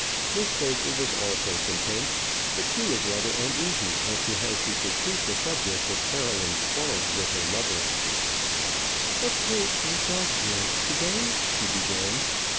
Miss Baker was also content; but she was rather uneasy as to how she should treat the subject of Caroline's quarrel with her lover. "Of course you saw George to day?" she began.